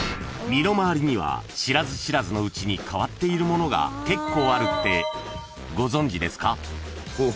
［身の回りには知らず知らずのうちに変わっているものが結構あるってご存じですか？］